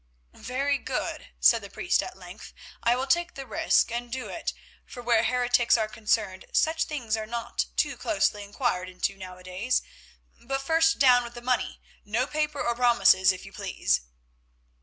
"Very good," said the priest at length, "I will take the risk and do it, for where heretics are concerned such things are not too closely inquired into nowadays. But first down with the money; no paper or promises, if you please."